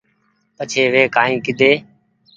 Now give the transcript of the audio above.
پڇي وي ڪآئي ڪيۮي